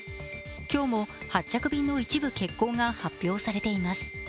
今日も発着便の一部欠航が発表されています。